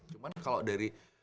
cuman kalau dari